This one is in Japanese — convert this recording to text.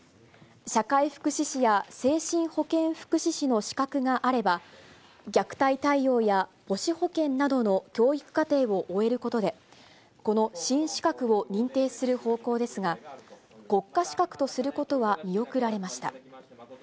社会福祉士や精神保健福祉士の資格があれば、虐待対応や母子保健などの教育課程を終えることで、この新資格を認定する方向ですが、国家資格とすることは見送られました。